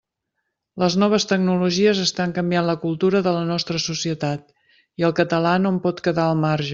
Les noves tecnologies estan canviant la cultura de la nostra societat i el català no en pot quedar al marge.